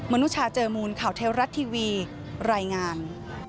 นุชาเจอมูลข่าวเทวรัฐทีวีรายงาน